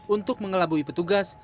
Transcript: untuk mengelabui petugas